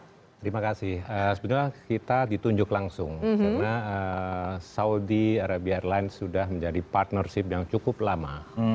terima kasih sebenarnya kita ditunjuk langsung karena saudi arabi airlines sudah menjadi partnership yang cukup lama